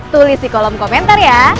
tulis di kolom komentar ya